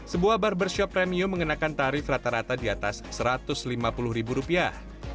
sebuah barbershop premium mengenakan tarif rata rata di atas satu ratus lima puluh ribu rupiah